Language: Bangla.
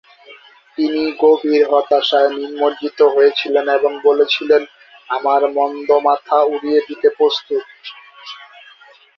তিনি গভীর হতাশায় নিমজ্জিত হয়েছিলেন এবং বলেছিলেন "আমার মন্দ মাথা উড়িয়ে দিতে প্রস্তুত"।